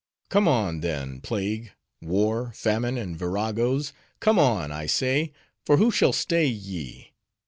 Come on, then, plague, war, famine and viragos! Come on, I say, for who shall stay ye?